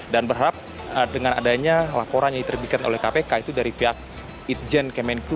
dan berharap dengan adanya laporan yang diterbitkan oleh kpk itu dari pihak itjen kemenku